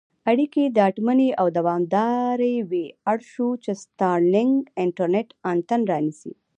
اړیکې ډاډمنې او دوامدارې وي اړ شو، چې سټارلېنک انټرنېټ انتن رانیسي.